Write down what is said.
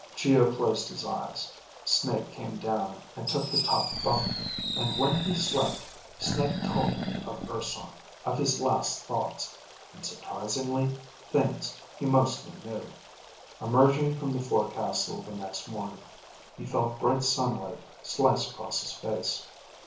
Geo closed his eyes. Snake came down and took the top bunk; and when he slept, Snake told him of Urson, of his last thoughts, and surprisingly, things he mostly knew. Emerging from the forecastle the next morning, he felt bright sunlight slice across his face.